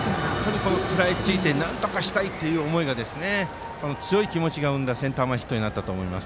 食らいついてなんとかしたいという思いが強い気持ちが生んだセンター前ヒットになったと思います。